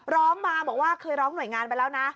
ร้องมาบอกว่าเคยร้องหน่วยงานไปแล้วนะ